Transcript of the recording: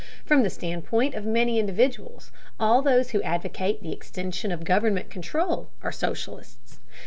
From the standpoint of many individuals, all those who advocate the extension of government control are socialists.